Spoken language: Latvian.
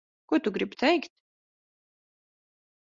Ko tu gribi teikt?